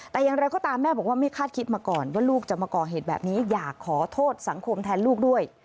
แต่อย่างไรก็ตามแม่บอกว่าไม่คาดคิดมาก่อนว่าลูกจะมาก่อเหตุแบบนี้อยากขอโทษสังคมแทนลูกด้วย